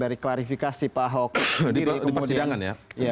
dari klarifikasi pak ahok sendiri